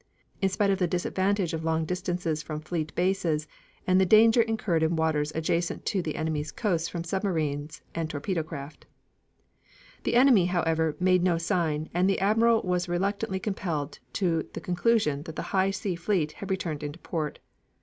in spite of the disadvantage of long distances from fleet bases and the danger incurred in waters adjacent to the enemy's coasts from submarines and torpedo craft. The enemy, however, made no sign, and the admiral was reluctantly compelled to the conclusion that the High Sea Fleet had returned into port.